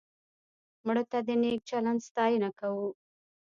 مړه ته د نیک چلند ستاینه کوو